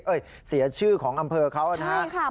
เสียชื่อของอำเภอเขานะครับ